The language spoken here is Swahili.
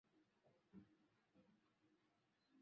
Majengo yamekuwepo karne na karne bila ya kupoteza uhalisia wake